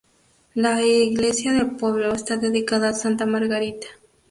La iglesia del pueblo está dedicada a Santa Margarita.